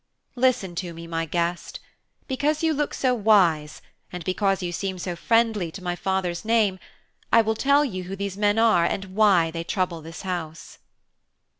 Listen to me, my guest. Because you look so wise and because you seem so friendly to my father's name I will tell you who these men are and why they trouble this house.'